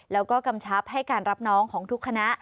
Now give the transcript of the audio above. แล้วก็กำชับให้การรับน้องของทุกคณะ